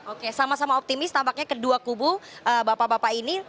oke sama sama optimis tampaknya kedua kubu bapak bapak ini